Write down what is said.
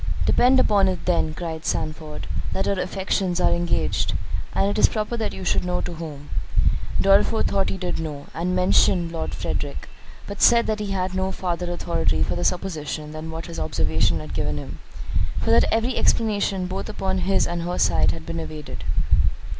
"Depend upon it then," cried Sandford, "that her affections are engaged; and it is proper that you should know to whom." Dorriforth thought he did know, and mentioned Lord Frederick; but said that he had no farther authority for the supposition than what his observation had given him, for that every explanation both upon his and her side had been evaded.